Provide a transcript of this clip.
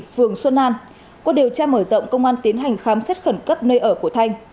phường xuân an qua điều tra mở rộng công an tiến hành khám xét khẩn cấp nơi ở của thanh